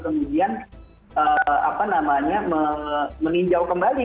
kemudian apa namanya meninjau kembali